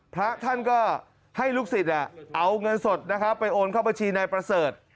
พระท่านก็ให้ลูกศิษย์เอาเงินสดนะครับไปโอนเข้าบัญชีนายประเสริฐ